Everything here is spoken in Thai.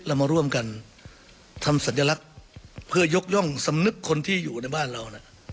เรามาร่วมกันทำสัญลักษณ์เพื่อยกย่องสำนึกคนที่อยู่ในบ้านเราน่ะ